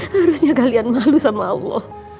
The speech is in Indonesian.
harusnya kalian malu sama allah